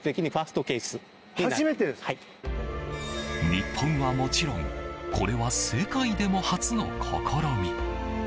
日本はもちろんこれは世界でも初の試み。